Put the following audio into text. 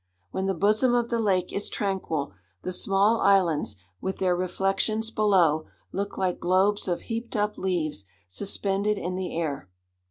When the bosom of the lake is tranquil, the small islands, with their reflections below, look like globes of heaped up leaves suspended in the air.